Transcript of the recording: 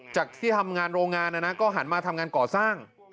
จากที่ทำงานโรงงานนะนะก็หันมาทำงานก่อสร้าง